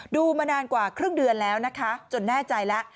ดูมานานกว่าครึ่งเดือนแล้วนะคะจนแน่ใจแล้ว